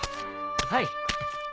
はい。